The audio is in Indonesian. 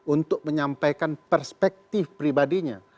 untuk menyampaikan perspektif pribadinya